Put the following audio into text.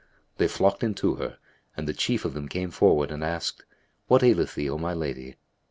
They flocked in to her; and the chief of them came forward and asked, "What aileth thee, O my lady?"